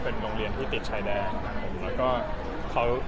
เป็นโรงเรียนที่ติดชายแดงครับ